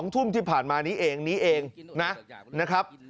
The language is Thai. ๒ทุ่มที่ผ่านมานี้เองนี้เองนะครับ